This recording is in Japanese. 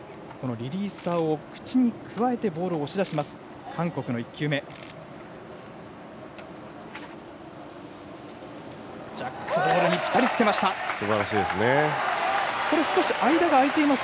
リリーサーを口にくわえてボールを押し出します。